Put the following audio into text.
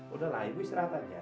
udah lah ibu istirahat aja